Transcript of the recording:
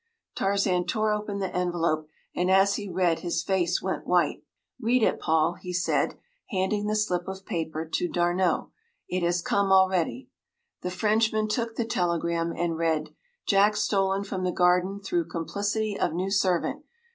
Tarzan tore open the envelope, and as he read his face went white. “Read it, Paul,” he said, handing the slip of paper to D’Arnot. “It has come already.” The Frenchman took the telegram and read: “Jack stolen from the garden through complicity of new servant.